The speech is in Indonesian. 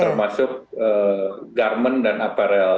termasuk garmen dan aparel